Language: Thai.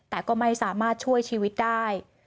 แต่ก็ไม่สามารถช่วยชีวิตได้